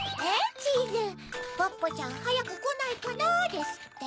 チーズ「ポッポちゃんはやくこないかな」ですって？